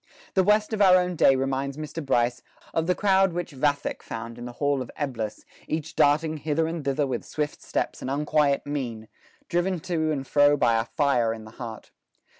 '" The West of our own day reminds Mr. Bryce "of the crowd which Vathek found in the hall of Eblis, each darting hither and thither with swift steps and unquiet mien, driven to and fro by a fire in the heart.